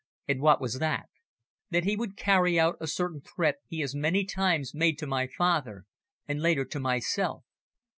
"And what was that?" "That he would carry out a certain threat he has many times made to my father, and later to myself.